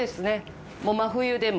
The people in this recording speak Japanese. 真冬でも。